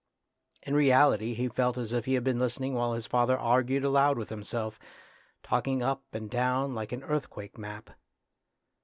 In reality he felt as if he had been listening while his father argued aloud with himself, talking up and down like an earthquake map.